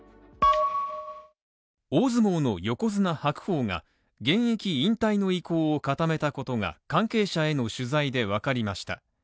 大相撲の横綱・白鵬が、現役引退の意向を固めたことが関係者への取材でわかりました。